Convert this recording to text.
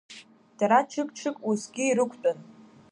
Дара ҽык-ҽык усгьы ирықәтәан.